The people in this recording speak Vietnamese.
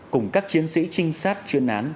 cùng các chiến sĩ trinh sát chuyên án